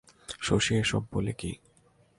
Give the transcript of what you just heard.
শশী এসব বলে কী!